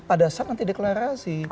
pada saat nanti deklarasi